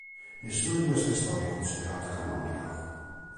Nessuna di queste storie è considerata canonica.